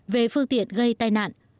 về phương tiện gây tai nạn